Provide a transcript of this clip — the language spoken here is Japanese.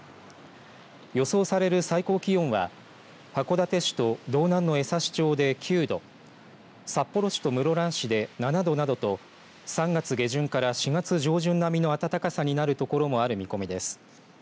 予想される最高気温は函館市と道南の江差町で９度札幌市と室蘭市で７度などと３月下旬から４月上旬並みの暖かさになる所もある見込みです。